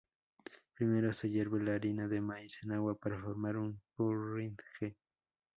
Primero se hierve la harina de maíz en agua para formar un porridge.